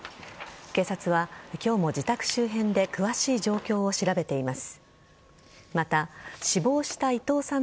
警察は今日も自宅周辺で詳しい状況を調べています。